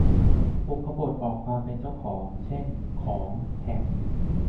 บุพบทบอกความเป็นเจ้าของ เช่น ของ แห่ง